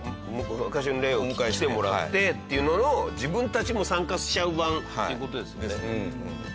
昔の霊を来てもらってっていうのの自分たちも参加しちゃう版っていう事ですね。